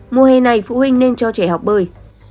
mùa hè này phụ huynh nên cho trẻ học bơi